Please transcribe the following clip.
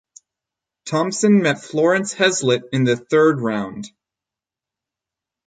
Thompson met Florence Hezlet in the third round.